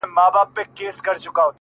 را روان په شپه كــــي ســـېــــــل دى،